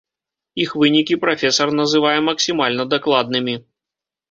Іх вынікі прафесар называе максімальна дакладнымі.